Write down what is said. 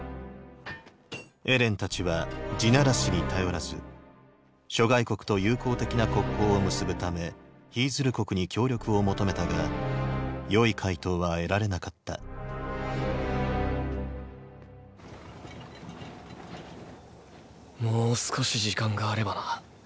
エレンたちは「地鳴らし」に頼らず諸外国と友好的な国交を結ぶためヒィズル国に協力を求めたが良い回答は得られなかったもう少し時間があればな。